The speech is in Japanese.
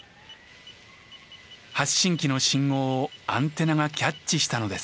発信器の信号をアンテナがキャッチしたのです。